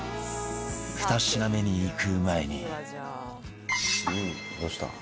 ２品目にいく前に